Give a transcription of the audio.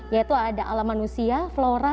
yaitu ada alam manusia flora